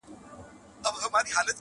ویري واخیستم توپک مي وچ لرګی سو -